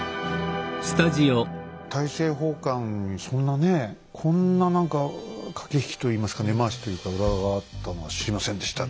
大政奉還にそんなねこんな何か駆け引きといいますか根回しというか裏があったのは知りませんでしたね。